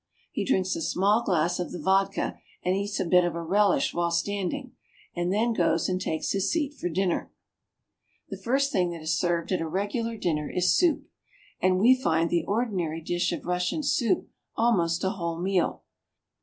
He drinks a small glass of the vodka and eats a bit of a relish while standing, and then goes and takes his seat for his dinner. Moscow. 347 The first thing that is served at a regular dinner is soup ; and we find the ordinary dish of Russian soup almost a whole meal.